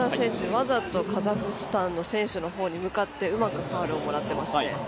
わざととカザフスタンの選手に向かってうまくファウルをもらってますね。